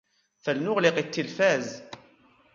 فلنغلق التلفاز.